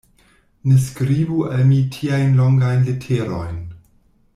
Ne skribu al mi tiajn longajn leterojn.